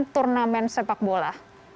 dan turnamen sepak bola